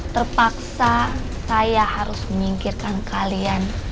terpaksa saya harus menyingkirkan kalian